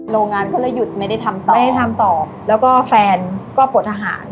โรงงานก็เลยหยุดไม่ได้ทำต่อไม่ได้ทำต่อแล้วก็แฟนก็ปวดทหาร